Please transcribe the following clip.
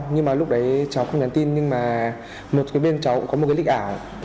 nhưng mà lúc đấy cháu không nhắn tin nhưng mà một cái bên cháu có một cái lích ảo